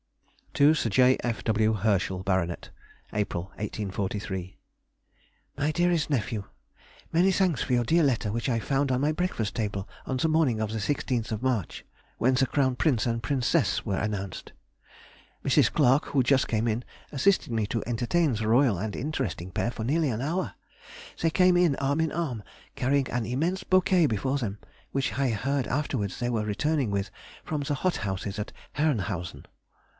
TO SIR J. F. W. HERSCHEL, BART. April, 1843. MY DEAREST NEPHEW!— Many thanks for your dear letter, which I found on my breakfast table on the morning of the 16th March, ... when the Crown Prince and Princess were announced. Mrs. Clarke, who just came in, assisted me to entertain the royal and interesting pair for nearly an hour. They came in arm in arm, carrying an immense bouquet before them, which I heard afterwards they were returning with from the hothouses at Herrnhausen.